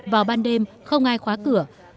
vào ban đêm không ai khóa cửa